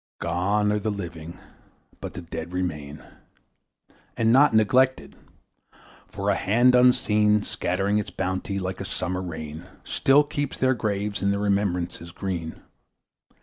Gone are the living, but the dead remain, And not neglected; for a hand unseen, Scattering its bounty, like a summer rain, Still keeps their graves and their remembrance green.